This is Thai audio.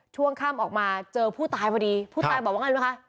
ช่วงค่ำออกมาเจอผู้ตายพอดีผู้ตายบอกว่าไงรู้ไหมคะ